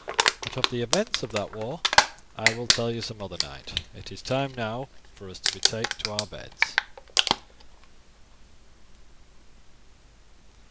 But of the events of that war I will tell you some other night. It is time now for us to betake us to our beds."